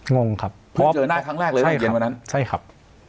งงครับเพราะเจอหน้าทั้งแรกหรือทั้งเย็นวันนั้นใช่ครับ